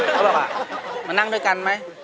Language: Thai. เขาบอกว่ามานั่งด้วยกันไหม